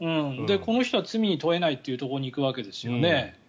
この人は罪に問えないというところに行くわけですよね。